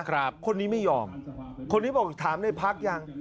คนนี้ไม่ยอมคนนี้ถามในภักดิ์ยัง